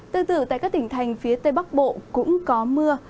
từ từ tại các tỉnh thành phía tây bắc bộ cũng có mưa